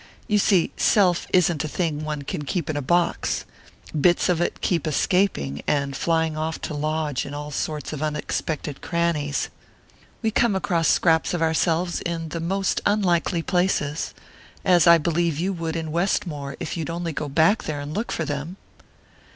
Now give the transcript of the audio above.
You see, self isn't a thing one can keep in a box bits of it keep escaping, and flying off to lodge in all sorts of unexpected crannies; we come across scraps of ourselves in the most unlikely places as I believe you would in Westmore, if you'd only go back there and look for them!"